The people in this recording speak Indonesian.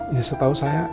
ya setahu saya